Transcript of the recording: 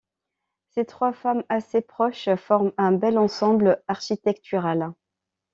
Ces trois fermes, assez proches, forment un bel ensemble architectural.